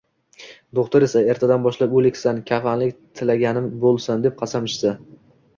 Do’xtir esa, “ertadan boshlab o’likdan kafanlik tilaganim bo’lsin!” deb qasam ichsa.